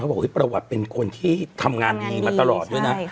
บอกประวัติเป็นคนที่ทำงานดีมาตลอดด้วยนะ